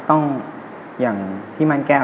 ต้องอย่างพี่ม่านแก้ว